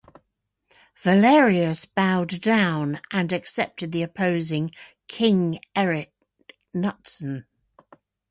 Valerius bowed down and accepted the opposing King Eric Knutsson.